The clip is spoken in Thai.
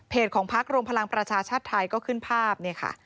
เพจของพักโรงพลังประชาชาติไทยก็ขึ้นภาพ